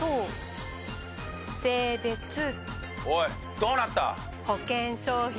おいどうなった？